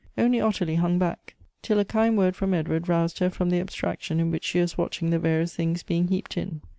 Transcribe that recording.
Only Ottilie hung back ; till a kind word from Edward roused her from the abstraction in which she was watching the various things being heaped in.